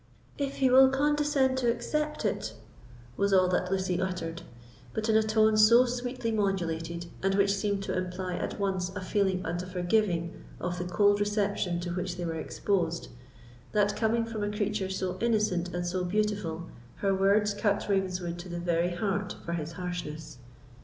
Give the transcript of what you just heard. "If he will condescend to accept it," was all that Lucy uttered; but in a tone so sweetly modulated, and which seemed to imply at once a feeling and a forgiving of the cold reception to which they were exposed, that, coming from a creature so innocent and so beautiful, her words cut Ravenswood to the very heart for his harshness.